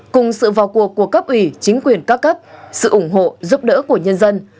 cùng sự vào cuộc của cấp ủy chính quyền các cấp sự ủng hộ giúp đỡ của nhân dân